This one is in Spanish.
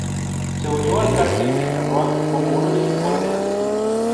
Se unió al Cártel de Sinaloa como uno de sus jóvenes asesinos.